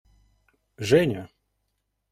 Женя!